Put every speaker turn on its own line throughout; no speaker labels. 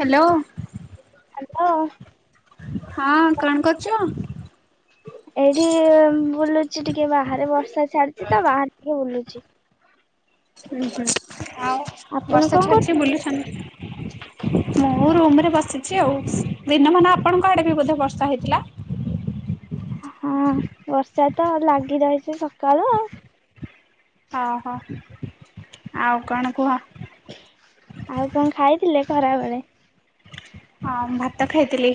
Hello.
Hello.
ହଁ କଣ କରୁଚ?
ଏଇଠି ବୁଲୁଚି ଟିକେ ବାହାରେ ବର୍ଷା ଛାଡି଼ଚି ତ ବାହାରେ ଟିକେ ବୁଲୁଚି।
ଉଁ ହୁଁ ଆଉ
ଆପଣ
ବର୍ଷା
କଣ
ଛାଡ଼ିଛି
କରୁଛନ୍ତି?
ବୁଲୁଛନ୍? ମୁଁ ରୁମ୍ ରେ ବସିଛି ଆଉ ଦିନମାନ ଆପଣଙ୍କ ଆଡ଼େ ବି ବୋଧେ ବର୍ଷା ହେଇଥିଲା?
ହଁ ବର୍ଷା ତ ଲାଗି ରହିଚି ସକାଳୁ ଆଉ।
ଅହ ଆଉ କଣ କୁହ।
ଆଉ କଁ ଖାଇଥିଲେ ଖରାବେଳେ?
ହଁ ମୁଁ ଭାତ ଖାଇଥିଲି।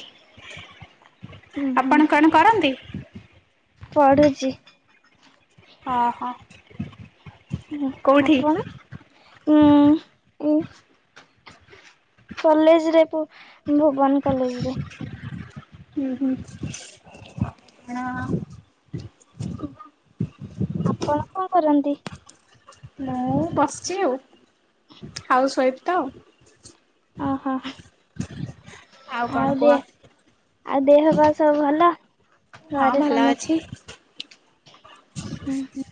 ହୁଁ
ଆପଣ କଣ କରନ୍ତି?
ପଢ଼ୁଚି।
ଅହ।
ଉଁ ହୁଁ ଆପଣ? ଉଁ ଉଁ କଲେଜ୍ ରେ ପ ଭୁବନ କଲେଜ୍ ରେ।
ଉଁ ହୁଁ ଣ
ଆପଣ କଁ କରନ୍ତି?
ମୁଁ ବସଚି ଆଉ ହାଉସ ୱାଇଫ୍ ତ।
ଅହ। ଆଉ
କଣ କୁହ
ଦେ ଆଉ ଦେହ ପା ସବୁ ଭଲ?
ହଁ
ଘରେ
ଭଲ
ସମ
ଅଛି।
ଉଁ ହୁଁ।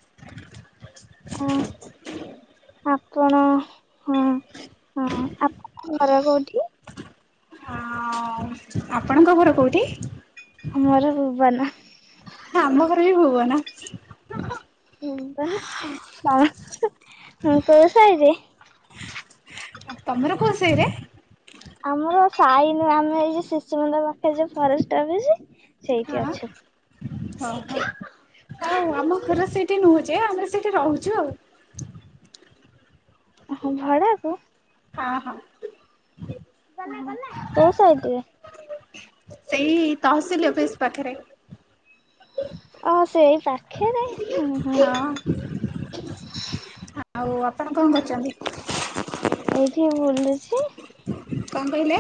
ଅ ଆପଣ ହଁ ହଁ ଆ ହର କୋଉଠି?
ଅଁ ଆପଣଙ୍କ ଘର କୋଉଠି?
ଆମର ଭୁବନ।
ହଁ ଆମ ଘର ବି ଭୁବନ।
ଉଁ ତନ ତଁ ଉଁ କୋଉ ସାଇରେ?
ଆ ତମର କୋଉ ସାଇରେ?
ଆମର ସାଇ ନୁହେଁ ଆମେ ଏଇ ଯୋଉ ଶିଶୁ ମନ୍ଦିର ପାଖରେ ଯୋଉ ଫରେଷ୍ଟ୍ ଅଫିସ୍ ସେଇଠି ଅଛୁ।
ହ ହ ଆଉ ଆମ ଘର ସେଇଠି ନୁହଁ ଯେ ଆମେ ସେଠି ରହୁଚୁ ଆଉ।
ଓହୋ ଭଡ଼ାକୁ?
ହଁ ହଁ।
ଓହୋ କୋଉ ସାଇଟ୍ ରେ?
ସେଇ ତହସିଲ୍ ଅଫିସ୍ ପାଖରେ।
ଅହ ସେଇ ପା ଖେରେ ହୁଁ। ହୁଁ
ହଁ ଆ ଆଉ ଆପଣ କଣ କରୁଛନ୍ତି?
ଏଇଠି ବୁଲୁଛି।
କଣ କହିଲେ?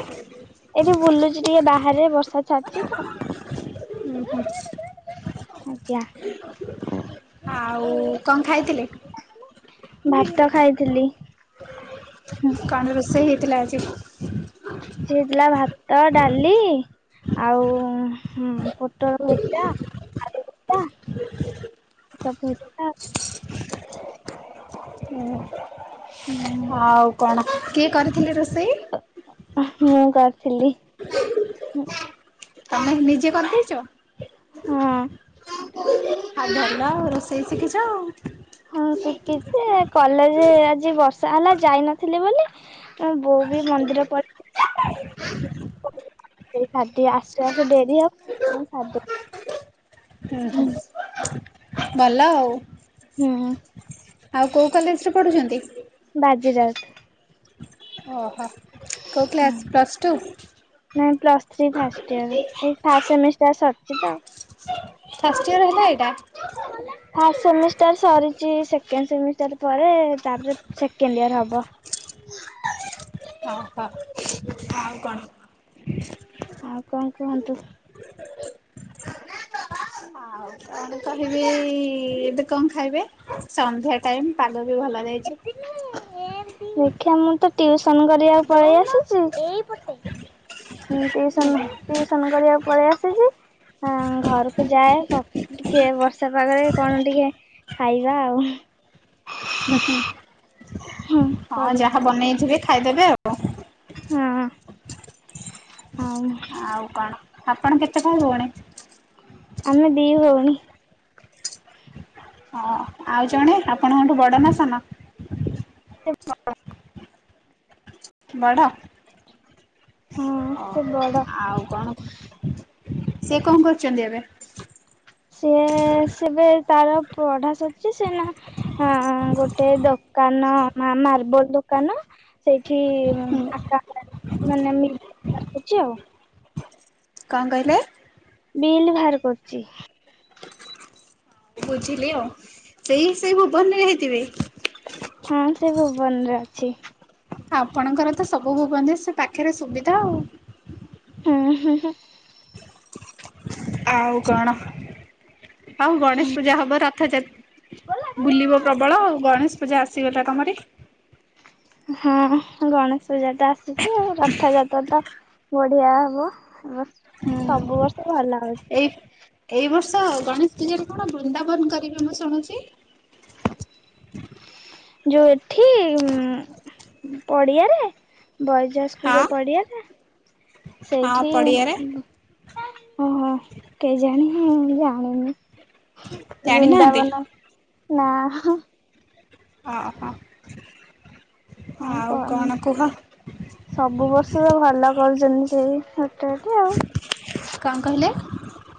ଏଇଠି ବୁଲୁଚି ଟିକେ ବାହାରେ ବର୍ଷା ଛାଡିଛି ତ?
ଓୁଁ ହୁଁ।
ଆଜ୍ଞା
ଆଉ କଣ ଖାଇଥିଲେ?
ଭାତ ଖାଇଥିଲି।
କଣ ରୋଷେଇ ହେଇଥିଲା ଆଜି?
ଆଜି ହେଇଥିଲା ଭାତ ଡାଲି। ଆଉ ହୁ ପୋଟଳ ଭଜା ଆଳୁ ଭଜା। ଚକୁଳି ପିଠା।
ହୁ।
ହୁଁ।
ଆଉ କଣ କିଏ କରିଥିଲେ ରୋଷେଇ?
ମୁଁ କରିଥିଲି। ହଁ।
ତମେ ନିଜେ କରିଦେଇଛ ଆଉ ଭଲ ଆଉ ରୋଷେ ଇ ଶିଖିଛ ଆଉ।
ହଁ ଶିଖିଛି ଯେ କଲେଜ ଆଜି ବର୍ଷା ହେଲା ଯାଇନଥିଲି ବୋଲି। ହଁ ବୋଉ ବି ମନ୍ଦିର ପଳେଇଲେ। ଗାଧୋଇ ଆସୁ ଆସୁ ଡେରି ହେବ [unintelligible]
ହୁଁ ହୁଁ। ଭଲ ଆଉ
ହୁଁ ହୁଁ
ଆଉ କୋଉ କଲେଜରେ ପଢ଼ୁଛନ୍ତି?
ବାଜିରାଉତ।
ଓହୋ କୋଉ କ୍ଲାସ୍ ପ୍ଲସ୍ ଟୁ?
ନାଇଁ ପ୍ଲସ ଥ୍ରୀ ଫାଷ୍ଟ ଇୟର ଏଇ ଫାଷ୍ଟ ସେମିଷ୍ଟାର ସରିଛି ତ।
ଫାଷ୍ଟ ଇୟର ହେଲା ଏଇଟା?
ଫାଷ୍ଟ ସେମିଷ୍ଟାର ସରିଛି ସେକେଣ୍ଡ ସେମିଷ୍ଟାର ପରେ ତାପରେ ସେକେଣ୍ଡ ଇୟର୍ ହବ।
ଓହୋ ଆଉ କଣ? [unintelligible]
ଆଉ କଣ କୁହନ୍ତୁ?
ଆଉ। ତ କହିବି ଏବେ କଣ ଖାଇବେ ସନ୍ଧ୍ୟା ଟାଇମ୍ ପାଗ ବି ଭଲ ଯାଇଛି।
ଦେଖିଆ ମୁଁ ତ ଟିଉସନ କରିବାକୁ ପଳେଇ ଆସିଛି। ହୁଁ ଟିଉସନ ଟିଉସନ କରିବାକୁ ପଳେଇ ଆସିଛି ହଁ ଘରକୁ ଯାଏ କ ଟିକେ ବର୍ଷା ପାଗରେ କଣ ଟିକେ ଖାଇବା ଆଉ?
ଉଁ ହୁଁ
ହୁଁ
ହଁ
କରିକି
ଯାହା ବନେଇଥିବେ ଖାଇଦେବେ ଆଉ?
ହୁଁ ଆଉ।
ଆଉ କଣ ଆପଣ କେତେ ଭାଇ ଭଉଣୀ?
ଆମେ ଦି ଭଉଣୀ।
ହଁ ଆଉ ଜଣେ ଆପଣଙ୍କଠୁ ବଡ ନା ସାନ?
ସେ ବଡ଼।
ବଡ। ହଁ
ସେ ବଡ
ଆଉ କଣ। ସେ କଣ୍ କରୁଚନ୍ତି ଏବେ?
ସିଏ ସେବେ ତାର ପଢା ସର୍ ସେ ସିନା ଗୋଟେ ଦୋକାନ ମା-ମାର୍ବଲ ଦୋକାନ ସେଇଠି ଉ
ହୁଁ।
ଆକା ମାନେ ମିଛ ହେଇଛି ଆଉ।
କଅଁ କହିଲେ?
ବିଲ୍ ବାହାର କରୁଛି।
ବୁଝିଲେୟ ସେଇ- ସେଇ ଭୁବନରେ ହେଇଥିବେ।
ହୁଁ ସେ ଭୁବନ୍ ରେ ଅଛି।
ଆପଣଙ୍କର ତ ସବୁ ଭୁବନ୍ ରେ ସେ ପାଖେରେ ସୁବିଧା ଆଉ।
ହୁଁ -ହୁଁହୁଁ।
ଆଉ କଣ ଆଉ ଗଣେଶ ପୂଜା ହବ ରା ଥ ଯାତ୍- ବୁଲିବ ପ୍ରବଳ ଆଉ ଗଣେଶ ପୂଜା ଆସିଗଲା ତମରି।
ହଁ ଗଣେଶ୍ ପୂଜା ଟା ଆସୁଚି ଆଉ ରଥଯାତ୍ରା ତ ବଢିଆ ହବ ଏ- ସବୁ
ହୁଁ
ବର୍ଷ ଭଲ ହଉଚି।
ଏଇ ଏଇ ବର୍ଷ ଗଣେଶ୍ ପୂଜାରେ କଣ ବୃନ୍ଦାବନ୍ କରିବେ ମୁଁ ଶୁଣୁଚୁ?
ଯଉ ଏଠି ଉଁ -ପଡିଆରେ ବୈଜାସ୍ ସ୍କୁଲ୍
ହଁ
ପଡ଼ିଆରେ
ହଁ
ସେଇଠି
ପଡ଼ିଆରେ
ଓହୋ କେଜାଣି। ମୁଁ ଜାଣିନି
ଜାଣିନାହାନ୍ତି
ବୃନ୍ଦାବନ- ନା।
ଓହ -ଆଉ କଣ କୁହ?
ସବୁ ବର୍ଷ ଭଲ କରୁଚନ୍ତି ସେଇ ହୋଟେଲ୍ ଟି ଆଉ।
କଅଁ କହିଲେ?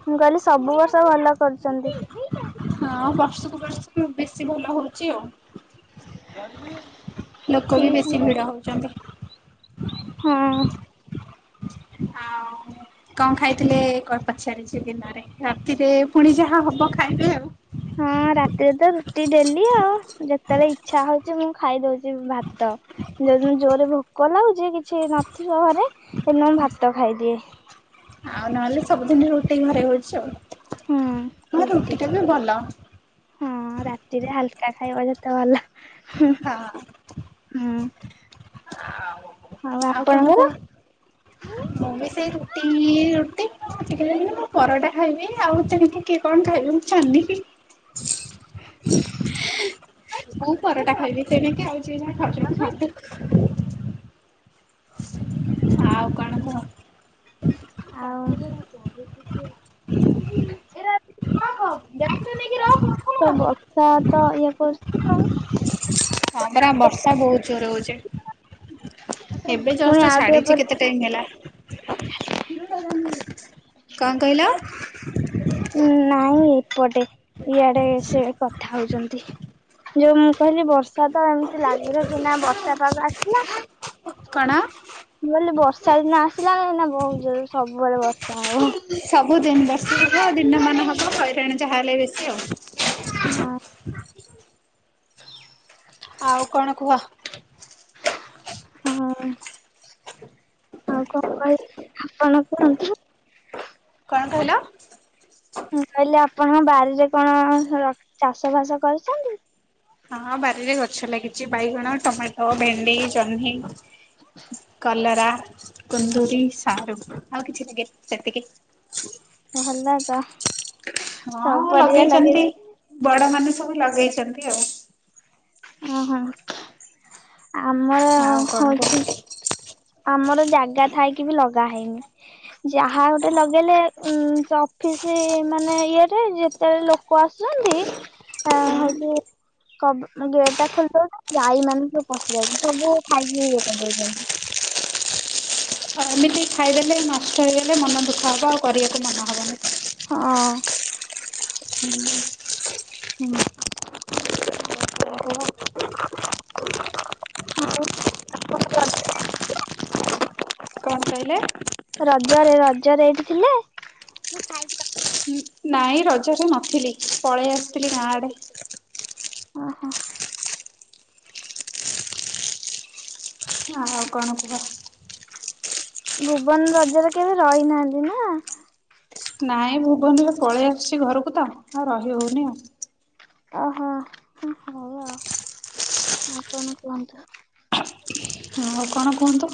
ମୁଁ କହିଲି ସବୁ ବର୍ଷ ଭଲ କରୁଚନ୍ତି।
ହଁ ବର୍ଷକୁ ବର୍ଷ ବେଶୀ ଭଲ ହଉଚି ଆଉ। ଲୋକ ବି ବେଶୀ
ଟିଉସନ
ଭିଡ ହଉଚନ୍ତି।
ହଁ।
ଆଉ କଣ ଖାଇଥିଲେ ପଚାରିଚି ଦିନରେ ରାତିରେ ପୁଣି ଯାହା ହବ ଖାଇବେ ଆଉ।
ହଁ ରାତିରେ ତ ରୁଟି ଡେଲି ଆଉ ଯେତେବେଳେ ଇଚ୍ଛା ହଉଚି ମୁଁ ଖାଇଦଉଚି। ଆଜି ଭାତ ଯଦି ଯଉଦିନ ଜୋର୍ ରେ ଭୋକ ଲାଗୁଚି କିଛି ନଥିବ ଘରେ ହେଇ ଦିନ ଭାତ। ଭାଇ ଦିଏ।
ଆଉ ନହେଲେ ସବୁଦିନି ରୁଟି ଘରେ ହଉଚି
ହୁଁ
ଆଉ। ହଁ
ରୁଟି
ରୁଟିଟା ବି ଭଲ।
ହଁ ରାତିରେ ହାଲ୍କା ଖାଇବ ଯେତ୍ ତ ଭଲ।
ହଁ
ହୁଁ
ଆଉ ଆଉ କଣ କୁହ? ମୁଁ ବି ସେଇ ରୁଟି -ରୁଟି ଖାଇନା ମୁଁ ପରଟା ଖାଇବି ଆଉ ସେମିତି କିଏ କଣ୍ ଖାଇବ ମୁଁ ଜାଣିନି। ମୁଁ ପରଟା ଖାଇବି ତେଣିକି ଆଉ ଯିଏ ଯାହା ଖାଉଚନ୍ତି ଖାଆନ୍ତୁ। ଆଉ କଣ କୁହ?
ଆଉ [unintelligible] ବର୍ଷା ତ ଇଏ କରୁଚି ଆଉ।
ହଁ ପରା ବର୍ଷା ବହୁତ୍ ଜୋର୍ ହଉଚି। ଏବେ
ପୁଣି
ଜଷ୍ଟ୍
ଆଉ ଟିକେ
ଛାଡିଚି
ପରେ
କେତେ ଟାଇମ୍ ହେଲା। କଅଁ କହିଲ?
ନାଇଁ ଏପଟେ ଇଆଡେ ସେ କଥା ହଉଚନ୍ତି। ଯଉ ମୁଁ କହିଲି ବର୍ଷା ତ ଏମିତି ଲାଗି ରହୁଚି ଏଇନା ବର୍ଷା ପାଗ ଆସିଲା।
କଣ?
ମୁଁ କହିଲି ବର୍ଷା ଦିନ ଆସିଲା ଏଇନା ବହୁତ୍ ଜୋର୍ ସବୁବେଳେ ବର୍ଷା ହବ।
ସବୁଦିନ ବର୍ଷ ହେବ ଦିନମାନ ହେବ ହଇରାଣ ଯାହା ହେଲେ ବେଶୀ ଆଉ
ହଁ
ହଁ ଆଉ କଣ କୁହ
ହଁ ଆଉ କଣ କହି- ଆପଣ କୁହନ୍ତୁ?
କଣ କହିଲ
ମୁଁ କହିଲି ଆପଣ ବାରିରେ କଣ ର -ଚାଷ ବାସ କରିଛନ୍ତି।
ହଁ ବାରିରେ ଗଛ ଲାଗିଛି ବାଇଗଣ ଟମାଟୋ ଭେଣ୍ଡି ଜହ୍ନି କଲରା କୁନ୍ଦୁରି ସାରୁ ଆଉ କିଛି ଟିକେ ସେତିକି
ଭଲ ତ ସବୁ
ହଁ
ପରିବା ଲଗେଇ
ଲଗେଇଛନ୍ତି
ଦେଇଛନ୍ତି
ବଡ ମାନେ ସବୁ ଲଗେଇଛନ୍ତି ଆଉ
ଓହୋ ଆମର ହୋ
ଆଉ କଣ କୁହ?
ହଉଛି ଆମର ଜାଗା ଥାଇକି ବି ଲଗା ହେଇନି ଯାହା ଗୋଟେ ଲଗେଇଲେ ଉ ସେ ଅଫିସ ମାନେ ଇଏ ରେ ଯେତେବେଳେ ଲୋ କୁ ଆସୁଛନ୍ତି ଆ ହଉଛି କ୍ ଗେଟ୍ ଟା ଖୋଲଦଉଚନ୍ତି ଗାଈ ମାନେ ସବୁ ପଶି ଯାଉଛନ୍ତି ସବୁ ଖାଇ କି ଇଏ କରି ଦେଉଛନ୍ତି
ହ ଏମିତି ଖାଇଦେଲେ ନଷ୍ଟ ହେଇଗଲେ ମନ ଦୁଃଖ ହେବ ଆଉ କରିବାକୁ ମନ ହେବନି
ହଁ
ହୁଁ
ହୁଁ
ତମେ କୁହ?
ହଁ ଆଉ ରଜରେ
ମୁ କହିଲେ
ରଜରେ ରଜରେ ଏଇଠି ଥିଲେ
ନାଇଁ ରଜରେ ନଥିଲି ପଳେଇ ଆସିଥିଲି ଗାଁଆଡ଼େ
ଓହୋ
ଆଉ କଣ କୁହ
ଭୁବନ ରଜରେ କେବେ ରହିନାହାନ୍ତି ନା
ନାଇଁ ଭୁବନ ଏବେ ପଳେଇ ଆସୁଛି ଘରକୁ ତ ଆଉ ରହି ହଉନି ଆଉ
ଓହୋ ଆ ହଉ ଆଉ କଣ କୁହନ୍ତୁ
ହ ହଉ କଣ କୁହନ୍ତୁ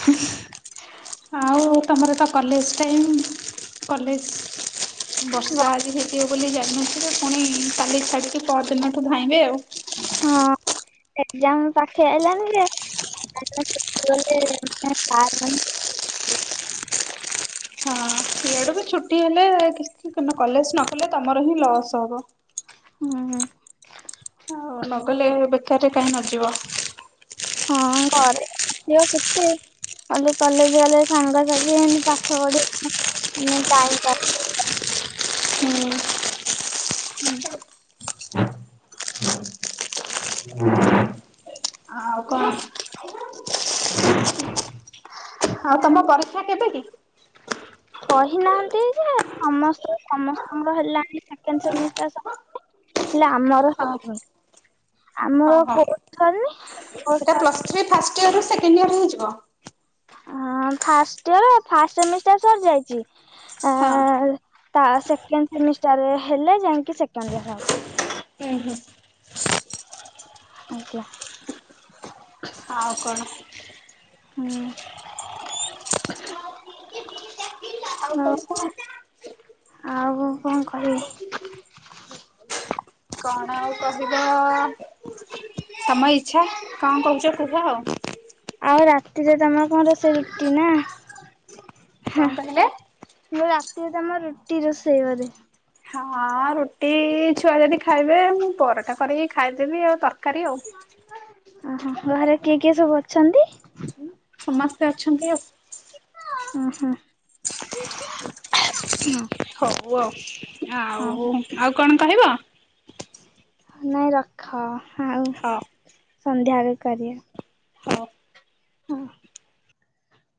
ହୁ ଉ କୋଉ ତମର ତ କଲେଜ ଟାଇମ୍ କଲେଜ ବର୍ଷା ଆଜି ହେ ଦିଅ ବୋଲି ଜାଣିନଥିଲୁ ପୁଣି କାଲି ଛାଡ଼ିକି ପରଦିନଠୁ ଧାଇବେ ଆଉ
ହଁ ଏକଜାମ ପାଖେ ଆଇଲାଣିି ଯେ [unintelligible] ଛୁଟି ଗଲେ [unintelligible]
ହଁ ସିଆଡେ ବି ଛୁଟି ହେଲେ କି ଥିକିନ କଲେଜ ନ କଲେ ତମର ହିଁ ଲସ୍ ହବ
ହୁଁ ହୁ
ଆଉ ନଗଲେ ବେକାରରେ କାହିଁ ନଯିବ
ହଁ ଘରେ ଆଉ ଆସିବ କେତେ କଲେଜ ଗଲେ ସାଙ୍ଗସାଥି ଏମତି ପାଠ ପଢିବ ଆଉ ଟାଇମ୍ କାଇଁ ହୁଁ
ଆଉ କଣ
ହୁଁ
ହଉ ତମ ପରିସ କେବେ କି?
କହିନାହାନ୍ତି ଯେ ସମସ୍ତେ ସମସ୍ତଙ୍କର ହେଲାଣି ସେକେଣ୍ଡ ସେମିଷ୍ଟାର ହେଲେ ଆମର
ହଁ।
ହେଇନି
ହଁ
ଆମର
ହଁ
କୋର୍ଷ
ଏଇଟା
ସରିନି
ପ୍ଲସ୍ ଥ୍ରୀ ଫାଷ୍ଟ ଇଅରରୁ ସେକଣ୍ଡ ଇୟର ହେଇଯିବ?
ହଁ ଫାଷ୍ଟେ ଫାଷ୍ଟ ସେମିଷ୍ଟାର ସରିଯାଇଛି। ତା
ହଁ।
ତା ସେକେଣ୍ଡ ସେମିଷ୍ଟାରରେ ହେଲେ ଯାଇକି ସେକେଣ୍ଡ ଇୟର ହବ।
ହୁଁ ହୁଁ।
ଆଜ୍ଞା।
ଆଉ କଣ?
ହୁଁ।
ଆଉ
ହଁ,
କଣ କୁହ?
ଆଉ କଣ କହିବି?
କଣ ଆଉ କ କହିବ ହଁ। ତମ ଇଚ୍ଛା, କଣ କହୁଛ କୁହ ଆଉ।
ଆଉ ରାତିରେ ତମ କଣ ରୋଷେଇ ରୁଟି ନା। ହଁ
କଣ କହିଲେ?
ଏ ରାତିରେ ତମ ରୁଟି ରୋଷେଇ ବୋଧେ।
ହଁ। ରୁଟି ଛୁଆ ଯଦି ଖାଇବେ, ମୁଁ ପରଟା କରିକି ଖାଇଦେବି ଆଉ ତରକାରୀ ଆଉ।
ଓହୋ ଘରେ କିଏ କିଏ ସବୁ ଅଛନ୍ତି?
ସମସ୍ତେ ଅଛନ୍ତି ଆଉ।
ଉ ହୁଁ। ହଁ
ହଉ
ହଁ
ଆଉ, ଆଉ କଣ କହିବ?
ନାଇଁ ରଖ ଆଉ
ହଁ।
ସନ୍ଧ୍ୟାବେଳକୁ କରିବ।
ହଉ।
ହଁ।